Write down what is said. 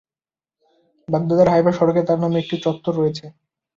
বাগদাদের হাইফা সড়কে তার নামে একটি চত্বর রয়েছে।